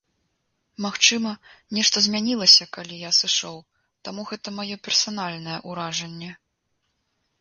Магчыма, нешта змянілася, калі я сышоў, таму гэта маё персанальнае ўражанне.